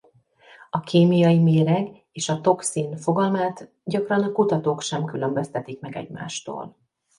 A kémiai méreg és a toxin fogalmát gyakran a kutatók sem különböztetik meg egymástól.